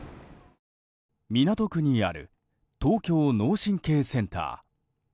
港区にある東京脳神経センター。